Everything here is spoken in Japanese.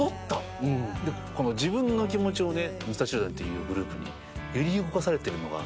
自分の気持ちをＭｒ．Ｃｈｉｌｄｒｅｎというグループに揺り動かされてるのが。